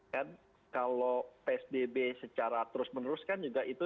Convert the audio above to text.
kan kalau psbb secara terus menerus kan juga itu